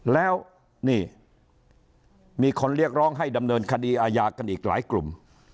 แล้วนี่มีคนเรียกร้องให้ดำเนินคดีอาญากันอีกหลายกลุ่ม